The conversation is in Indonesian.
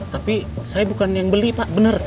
tapi saya bukan yang beli pak benar